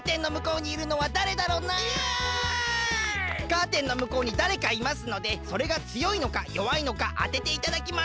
カーテンのむこうに誰かいますのでそれがつよいのかよわいのかあてていただきます。